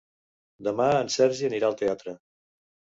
Demà en Sergi anirà al teatre.